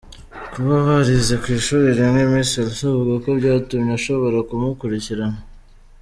Kuba barize ku ishuri rimwe, Miss Elsa avuga ko byatumye ashobora kumukurikirana.